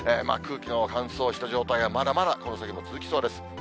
空気の乾燥した状態がまだまだ続きそうです。